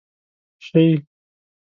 شي،